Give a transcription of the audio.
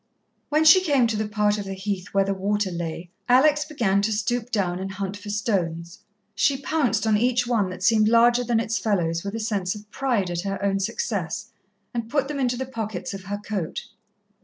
When she came to the part of the Heath where the water lay, Alex began to stoop down and hunt for stones. She pounced on each one that seemed larger than its fellows with a sense of pride at her own success, and put them into the pockets of her coat.